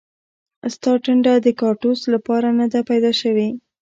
ستا ټنډه د کاړتوس لپاره نه ده پیدا شوې